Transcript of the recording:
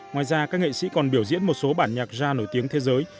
ngoài ra các nghệ sĩ còn biểu diễn một số bản nhạc gia nổi tiếng thế giới